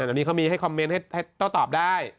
อันนี้เค้ามีให้โคมเม้นท์ให้น้องตอบได้